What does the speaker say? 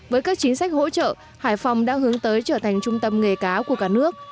với các chính sách hỗ trợ hải phòng đã hướng tới trở thành trung tâm nghề cá của cả nước